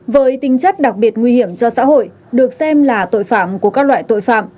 với tinh chất đặc biệt nguy hiểm cho xã hội được xem là tội phạm của các loại tội phạm